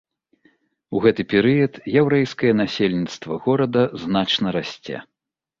У гэты перыяд яўрэйскае насельніцтва горада значна расце.